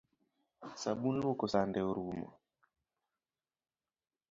Sabun luoko sande orumo